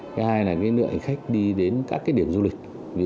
ngoài ra lượng hành khách đi đến các địa điểm du lịch